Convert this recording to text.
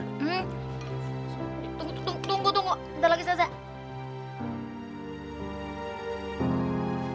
tunggu tunggu tunggu